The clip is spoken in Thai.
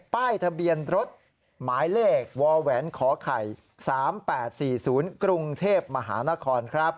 ป้ายทะเบียนรถหมายเลขวแหวนขอไข่๓๘๔๐กรุงเทพมหานครครับ